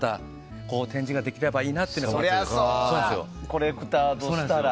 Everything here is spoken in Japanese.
コレクターとしたら。